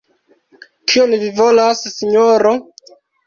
Kion vi volas, sinjoro?